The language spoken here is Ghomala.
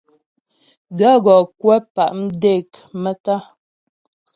Gàə́ gɔ kwə̂ pá' mdék maə́tá'a.